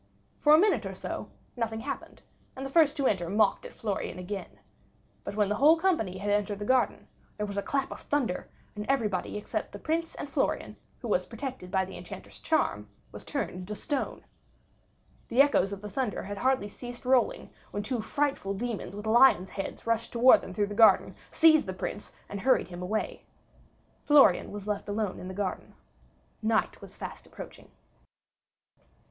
For a minute or so nothing happened, and the first to enter mocked at Florian again; but when the whole company had entered the garden, there was a clap of thunder, and everybody except the Prince and Florian, who was protected by the Enchanter's charm, was turned into stone. The echoes of the thunder had hardly ceased rolling when two frightful demons with lions' heads rushed towards them through the garden, seized the Prince, and hurried him away. Florian was left alone in the garden. Night was fast approaching.